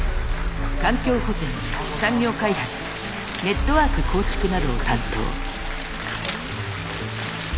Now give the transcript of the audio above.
環境保全産業開発ネットワーク構築などを担当。